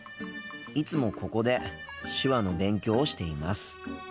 いつもここで手話の勉強をしています。